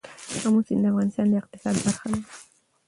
آمو سیند د افغانستان د اقتصاد برخه ده.